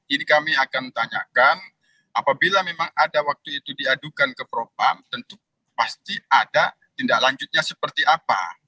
ini kami akan tanyakan apabila memang ada waktu itu diadukan ke propam tentu pasti ada tindak lanjutnya seperti apa